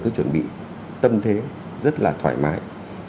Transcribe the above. cứ chuẩn bị tâm thế rất là thoải mái